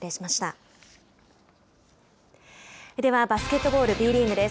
バスケットボールＢリーグです。